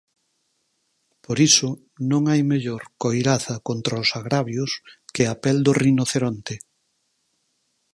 Por iso, non hai mellor coiraza contra os agravios que a pel do rinoceronte.